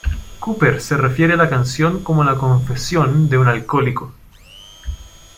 Cooper se refiere a la canción como "la confesión de un alcohólico".